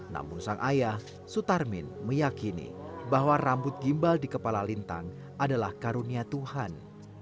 namun sang ayah sutarmin meyakini bahwa rambut gimbal di kepala lintang adalah karunia tuhan